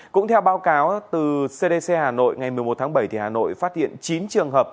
cũng theo báo cáo từ cdc hà nội ngày một mươi một tháng bảy hà nội phát hiện chín trường hợp